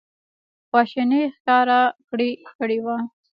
خواشیني ښکاره کړې وه.